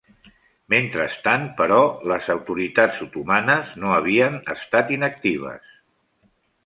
Mentrestant, però, les autoritats otomanes no havien estat inactives.